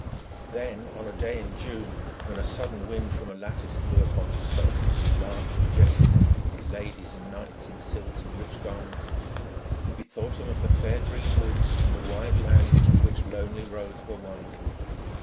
Then, on a day in June, when a sudden wind from a lattice blew upon his face as he laughed and jested with ladies and knights in silks and rich garments, he bethought him of the fair green woods and the wide lands through which lonely roads were winding.